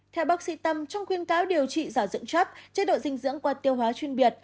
theo bác sĩ tâm trong khuyên cáo điều trị giả dựng chắc chế độ dinh dưỡng qua tiêu hóa chuyên biệt